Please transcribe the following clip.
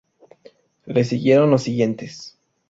Le siguieron los sig.